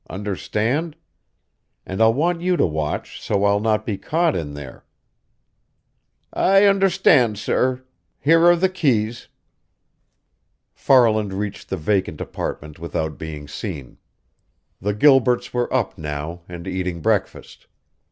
Understand? And I'll want you to watch, so I'll not be caught in there." "I understand, sir. Here are the keys." Farland reached the vacant apartment without being seen. The Gilberts were up now and eating breakfast.